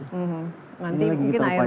ini lagi terbayar